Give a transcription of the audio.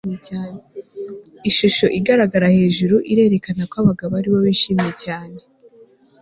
ishusho igaragara hejuru irerekana ko abagabo aribo bishimye cyane